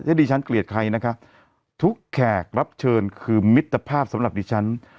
ถ้าดิฉันเกลียดใครนะคะทุกแขกรับเชิญคือมิตรภาพสำหรับดิฉัน